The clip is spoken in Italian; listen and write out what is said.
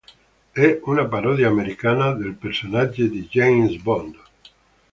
È una parodia americana del personaggio di James Bond.